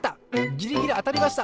ギリギリあたりました。